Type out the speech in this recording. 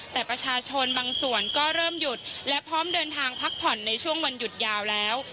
แต่ประชาชนบางส่วนก็เริ่มหยุดและพร้อมเดินทางพักผ่อนในช่วงวันหยุดยาวแล้ว